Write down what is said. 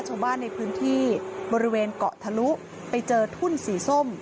ชาวบ้านในพื้นที่บริเวณเกาะทะลุไปเจอทุ่นสีส้ม